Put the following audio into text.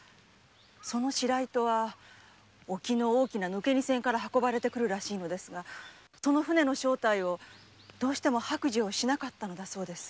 その白糸は沖合の抜け荷船から運ばれてくるらしいのですが船の正体をどうしても白状しなかったそうです。